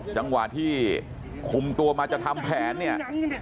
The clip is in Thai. จังหวะที่คุมตัวมาจะทำแผนเนี่ย